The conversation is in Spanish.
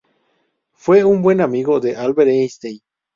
Fue un buen amigo de Albert Einstein.